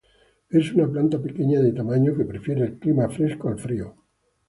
Es una planta pequeña de tamaño que prefiere el clima fresco a frío.